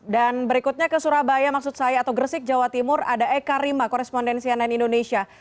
dan berikutnya ke surabaya maksud saya atau gresik jawa timur ada eka rima korespondensi ann indonesia